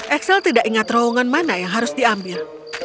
axel tidak ingat terowongan mana yang harus diambil